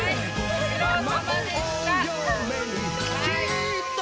ご苦労さまでした。